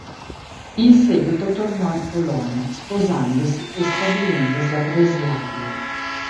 In seguito tornò in Polonia, sposandosi e stabilendosi a Breslavia.